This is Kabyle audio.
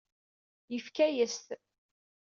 Yefka-yas-t.